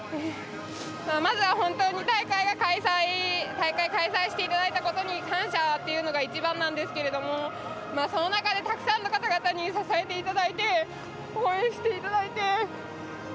まずは本当に大会を開催していただいたことに感謝というのが一番なんですけれどもその中で、たくさんの方々に支えていただいて応援していただいて。